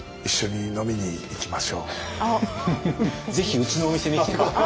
ぜひうちのお店に来て下さい。